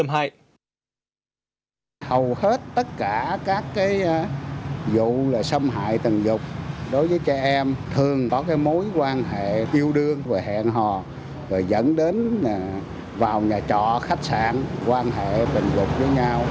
hầu hết tất cả các vụ xâm hại tình dục đối với trẻ em thường có mối quan hệ yêu đương và hẹn hò rồi dẫn đến vào nhà trọ khách sạn quan hệ tình dục với nhau